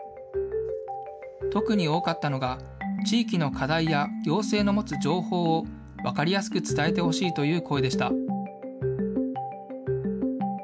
特に多かったのが、地域の課題や行政の持つ情報を、分かりやすく伝えてほしいという声でした。